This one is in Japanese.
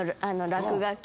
落書き？